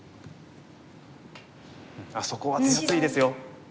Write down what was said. あっそこは手厚いですよ。